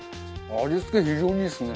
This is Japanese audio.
味付け非常にいいですね。